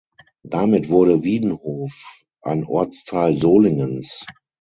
Damit wurde Wiedenhof ein Ortsteil Solingens.